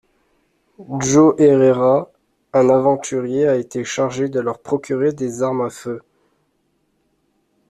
Joe Herrera, un aventurier a été chargé de leur procurer des armes à feu.